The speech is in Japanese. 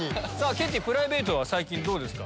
ケンティープライベートは最近どうですか？